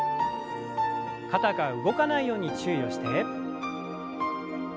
肩が動かないように注意をして。